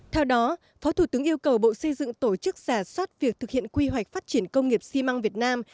theo đó phó thủ tướng yêu cầu bộ xây dựng tổ chức giả soát việc thực hiện quy hoạch phát triển công nghiệp xi măng việt nam